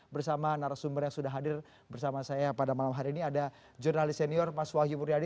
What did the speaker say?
bersama narasumber yang sudah hadir bersama saya pada malam hari ini ada jurnalis senior mas wahyu muryadi